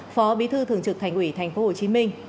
phó bí thư thường trực thành ủy tp hcm